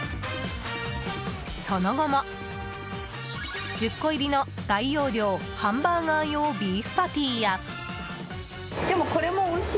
その後も、１０個入りの大容量ハンバーガー用ビーフパティや。